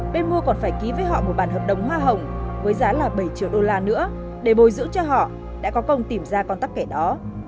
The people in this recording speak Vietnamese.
bên mua còn phải ký với họ một bản hợp đồng hoa hồng với giá là bảy triệu đô la nữa để bồi giữ cho họ đã có công tìm ra con tóc kẻ đó